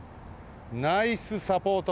ナイスサポート！